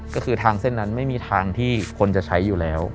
ก็คือทางเส้นนั้นไม่มีทางที่คนจะใช้อยู่แล้ว